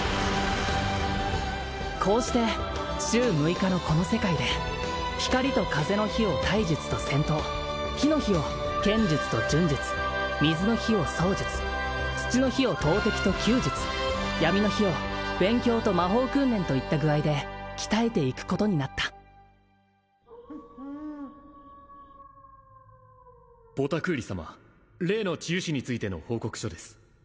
こうして週６日のこの世界で光と風の日を体術と戦闘火の日を剣術と盾術水の日を槍術土の日を投てきと弓術闇の日を勉強と魔法訓練といった具合で鍛えていくことになったボタクーリ様例の治癒士についての報告書です